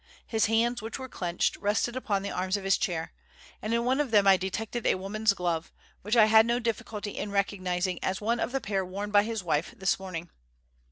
His hands, which were clenched, rested upon the arms of his chair, and in one of them I detected a woman's glove, which I had no difficulty in recognizing as one of the pair worn by his wife this morning.